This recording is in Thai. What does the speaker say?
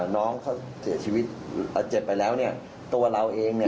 น้องเขาเสียชีวิตเจ็บไปแล้วตัวเราเอง